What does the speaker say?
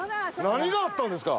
何があったんですか？